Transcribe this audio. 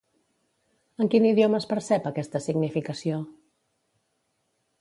En quin idioma es percep aquesta significació?